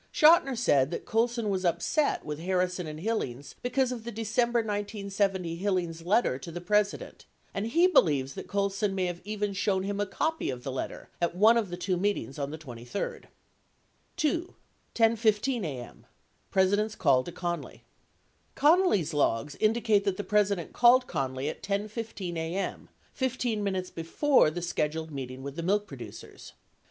Chotiner said that Colson was upset with Harrison and Hillings be cause of the December 1970 Hillings' letter to the President, and he believes that Colson may have even shown him a copy of the letter at one of the tw T o meetings on the 23d. 78 2 . 10:15 a.m. — president's call to connally Connally's logs indicate that the President called Connally at 10 :15 a.m., 15 minutes before the scheduled meeting with the milk producers.